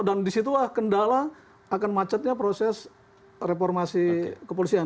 dan di situ kendala akan macetnya proses reformasi kepolisian